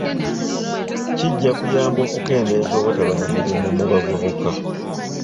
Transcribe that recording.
Kijja kuyamba okukendeeza obutaba na mirimu mu bavubuka .